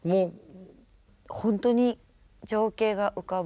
ほんとに情景が浮かぶ。